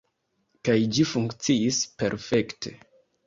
Kaj ĝi funkciis perfekte.